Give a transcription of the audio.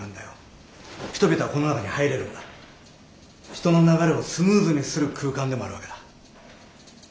人の流れをスムーズにする空間でもあるわけだ。